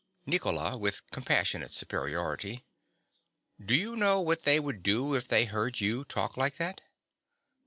NICOLA. (with compassionate superiority). Do you know what they would do if they heard you talk like that?